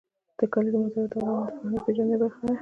د کلیزو منظره د افغانانو د فرهنګي پیژندنې برخه ده.